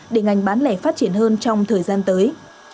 để ngành bán lẻ phát triển hơn trong thời gian tới